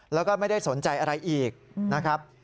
แล้วก็ไม่ได้สนใจอะไรอีกนะครับ